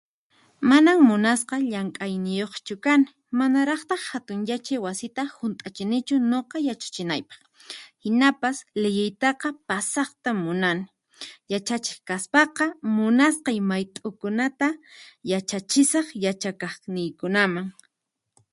Manan munasqa llank'ayniyuqchu kani manaraqtaq hatun yachay wasita hunt'achinichu nuqa yachachinaypaq, hinapas liyiytaqa pasaqta munani, yachachiq kaspaqa munasqay mayt'ukunata yachachisaq yachaqaqniykunaman.